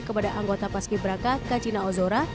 kepada anggota paski beraka kacina ozora